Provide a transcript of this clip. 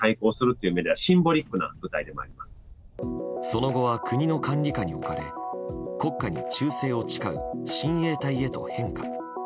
その後は国の管理下に置かれ国家に忠誠を誓う親衛隊へと変化。